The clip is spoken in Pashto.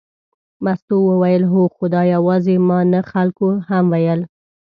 مستو وویل هو، خو دا یوازې ما نه خلکو هم ویل.